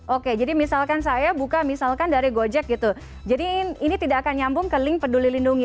oke jadi misalkan saya buka misalkan dari gojek gitu jadi ini tidak akan nyambung ke link peduli lindungi